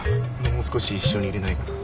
もう少し一緒にいれないかな？